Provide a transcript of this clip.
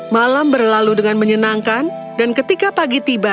malam berlalu dengan menyenangkan dan ketika pagi tiba